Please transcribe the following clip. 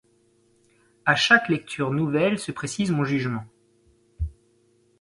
À chaque lecture nouvelle se précise mon jugement.